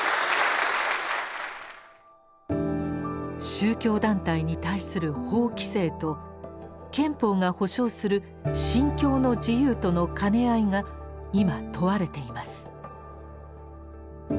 宗教団体に対する法規制と憲法が保障する「信教の自由」との兼ね合いが今問われています。